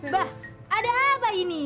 bah ada apa ini